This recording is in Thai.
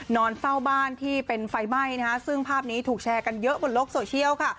นอนเฝ้าบ้านที่เป็นไฟไหม้นะคะซึ่งภาพนี้ถูกแชร์กันเยอะบนโลกโซเชียลค่ะ